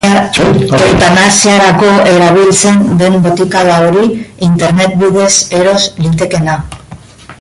Eutanasiarako erabiltzen den botika da hori, internet bidez eros litekena.